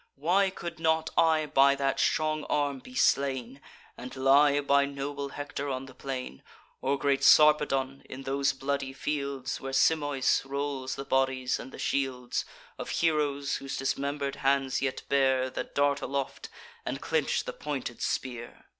Why could not I by that strong arm be slain, And lie by noble Hector on the plain, Or great Sarpedon, in those bloody fields Where Simois rolls the bodies and the shields Of heroes, whose dismember'd hands yet bear The dart aloft, and clench the pointed spear!"